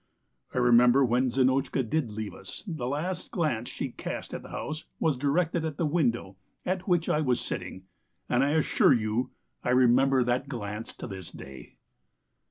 I remember that when Zinotchka did leave us the last glance she cast at the house was directed at the window at which I was sitting, and I assure you, I remember that glance to this day.